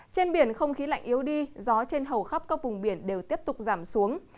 trên biển không khí lạnh yếu đi gió trên hầu khắp các vùng biển đều tiếp tục giảm xuống